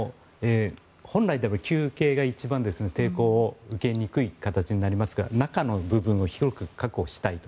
本来であれば球形が一番抵抗を受けにくい形になりますから中の部分を広く確保したいと。